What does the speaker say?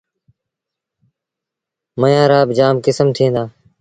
ميݩوهيݩ رآ با جآم ڪسم ٿئيٚݩ دآ۔